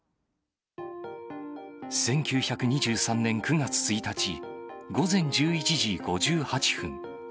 １９２３年９月１日午前１１時５８分。